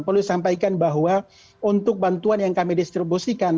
perlu disampaikan bahwa untuk bantuan yang kami distribusikan